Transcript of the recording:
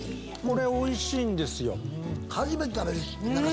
これおいしいんですよ。